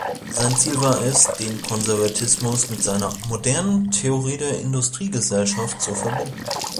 Sein Ziel war es, den Konservatismus mit einer „modernen“ Theorie der Industriegesellschaft zu verbinden.